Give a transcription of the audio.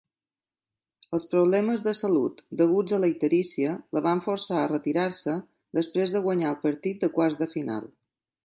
Els problemes de salut deguts a la icterícia la van forçar a retirar-se després de guanyar el partit de quarts de final.